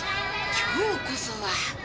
今日こそは。